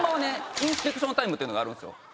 インスペクションタイムがあるんですよ。